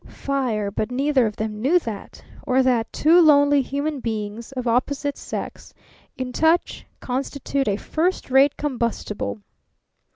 Fire; but neither of them knew that; or that two lonely human beings of opposite sex, in touch, constitute a first rate combustible.